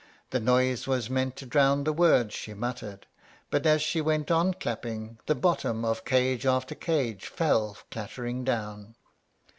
The noise was meant to drown the words she muttered; but as she went on clapping, the bottom of cage after cage fell clattering down.